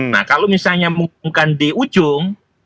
nah kalau misalnya mengumumkan di ujung